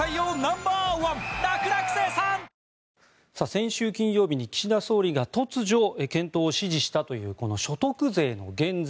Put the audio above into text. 先週金曜日に岸田総理が突如検討を指示したというこの所得税の減税。